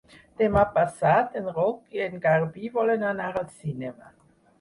Demà passat en Roc i en Garbí volen anar al cinema.